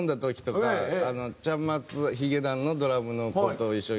ちゃんまつヒゲダンのドラムの子と一緒に。